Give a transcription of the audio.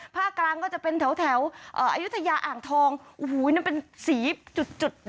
ภาคกลางก็จะเป็นแถวอายุทยาอ่างทองโอ้โหนั่นเป็นสีจุดจุด